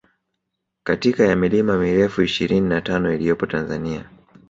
katika ya milima mirefu ishirini na tano iliyopo Tanzania